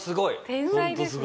天才ですね。